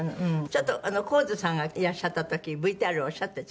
ちょっと神津さんがいらっしゃった時ＶＴＲでおっしゃってる